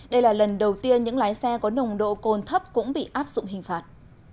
đây là lần đầu tiên những lái xe có nồng độ cồn thấp cũng bị áp dụng hình phạt